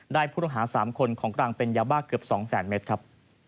ผู้ต้องหา๓คนของกลางเป็นยาบ้าเกือบ๒๐๐๐เมตรครับ